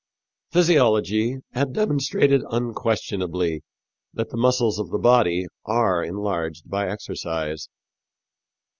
Physiology had demonstrated unquestionably that the muscles of the body are enlarged by exercise.